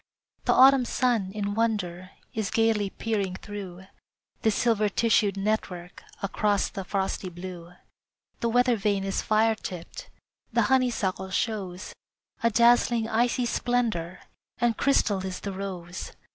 The autumn sun, in wonder, Is gayly peering through This silver tissued network Across the frosty blue. The weather vane is fire tipped, The honeysuckle shows A dazzling icy splendor, And crystal is the rose.